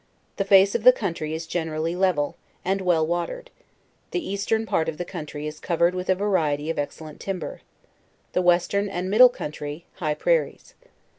The face of the country is gen erally level, and well watered; the eastern part of the coun try is covered with a variety of excellent timber; the wes tern and middle country, high prairies.